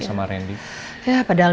sama randy ya padahal